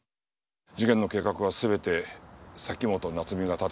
事件の計画は全て崎本菜津美が立てたそうだ。